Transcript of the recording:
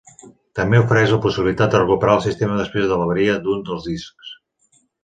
També ofereix la possibilitat de recuperar el sistema després de l'avaria d'un dels discs.